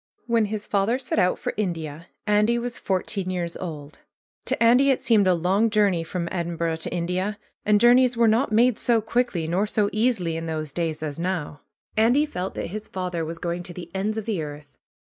When his father set out for India Andy was fourteen years old. To Andy it seemed a long journey from Edin burgh to India. And journeys were not made so quickly nor so easily in those days as now. Andy felt that his father was going to the ends of the earth.